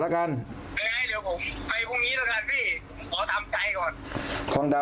บอกแล้วบอกแล้วบอกแล้ว